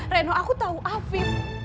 reno aku tahu aviv